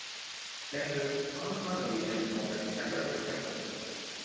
Senators Tom Connally and Morris Sheppard of Texas.